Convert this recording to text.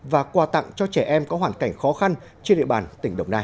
và quà tặng cho trẻ em có hoàn cảnh khó khăn trên địa bàn tỉnh đồng nai